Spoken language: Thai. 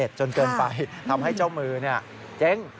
เด็ดจนเกินไปทำให้เจ้ามือเนี่ยเก๋ง